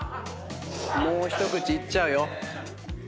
もう一口いっちゃうよ。